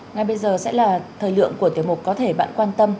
ngay bây giờ sẽ là thời lượng của tiểu mục có thể bạn quan tâm